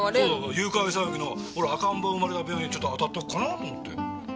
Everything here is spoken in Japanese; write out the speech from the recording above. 誘拐騒ぎのほら赤ん坊が生まれた病院ちょっとあたっておこうかなと思って。